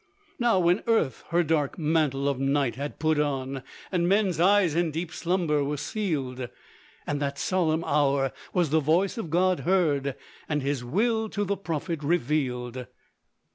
Now when earth her dark mantle of night had put on, And men's eyes in deep slumber were sealed; In that solemn hour was the voice of God heard, And his will to the Prophet revealed.